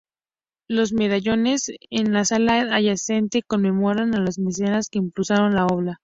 Los medallones en la sala adyacente conmemoran a los mecenas que impulsaron la obra.